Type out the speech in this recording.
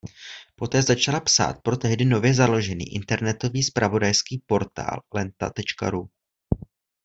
Poté začala psát pro tehdy nově založený internetový zpravodajský portál Lenta.ru.